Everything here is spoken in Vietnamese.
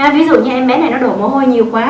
ví dụ như em bé này nó đổ mồ hôi nhiều quá